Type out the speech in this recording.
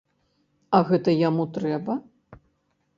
А гэта яму трэба?